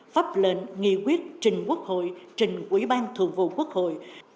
pháp lệnh nghị quyết trình quốc hội trình quỹ ban thường vụ quốc hội